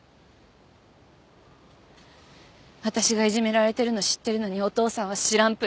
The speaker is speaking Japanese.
私がいじめられてるの知ってるのにお父さんは知らんぷり。